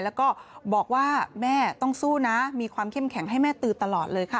แล้วก็บอกว่าแม่ต้องสู้นะมีความเข้มแข็งให้แม่ตือตลอดเลยค่ะ